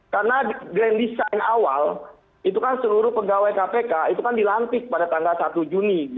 karena grand design awal itu kan seluruh pegawai kpk itu kan dilantik pada tanggal satu juni gitu kan